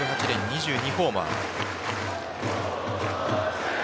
２２ホーマー。